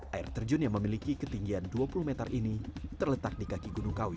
air terjun yang memiliki ketinggian dua puluh meter ini terletak di kaki gunung kawi